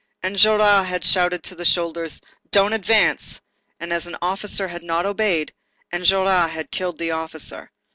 Enjolras had shouted to the soldiers: "Don't advance!" and as an officer had not obeyed, Enjolras had killed the officer.